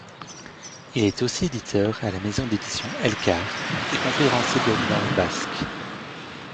Il est aussi éditeur à la maison d'édition Elkar et conférencier de langue basque.